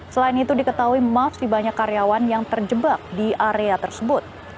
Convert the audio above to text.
selain itu diketahui masih banyak karyawan yang terjebak di area tersebut